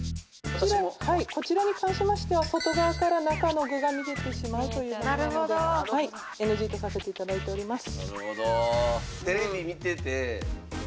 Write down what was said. こちらに関しましては外側から中の具が見えてしまうということなのでＮＧとさせて頂いております。